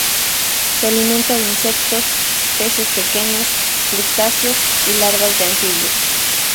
Se alimenta de insectos, peces pequeños, crustáceos y larvas de anfibios.